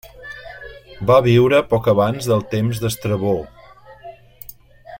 Va viure poc abans del temps d'Estrabó.